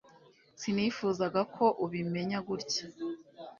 sinifuzaga ko ubimenya gutya